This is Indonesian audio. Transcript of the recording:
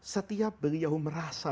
setiap beliau merasa